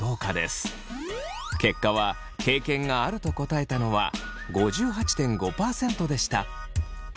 結果は経験があると答えたのは５８．５％でした。